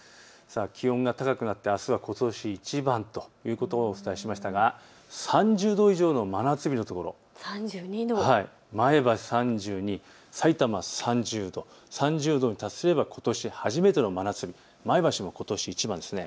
気温が高くなってあすはことしいちばんということをお伝えしましたが、３０度以上の真夏日のところ、前橋３２度、さいたま３０度、３０度に達すればことし初めての真夏日、前橋もことしいちばんですね。